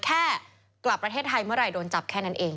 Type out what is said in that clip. แค่กลับประเทศไทยเมื่อไหร่โดนจับแค่นั้นเอง